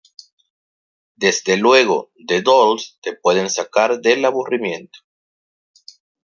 Desde luego, The Dolls te pueden sacar del aburrimiento".